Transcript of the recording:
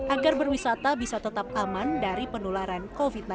agar berwisata bisa tetap aman dari penularan covid sembilan belas